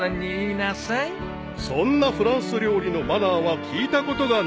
［そんなフランス料理のマナーは聞いたことがない］